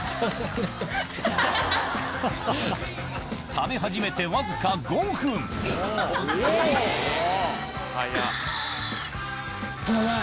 食べ始めてわずか５分あ。